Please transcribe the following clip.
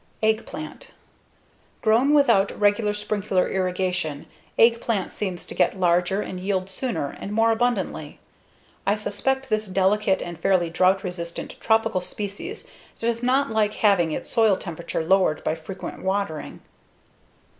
Eggplant Grown without regular sprinkler irrigation, eggplant seems to get larger and yield sooner and more abundantly. I suspect this delicate and fairly drought resistant tropical species does not like having its soil temperature lowered by frequent watering.